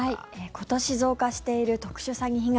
今年増加している特殊詐欺被害。